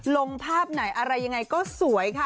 ลงภาพไหนอะไรยังไงก็สวยค่ะ